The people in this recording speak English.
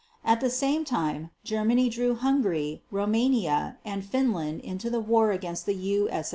At the same time Germany drew Hungary, Rumania, and Finland into the war against the U.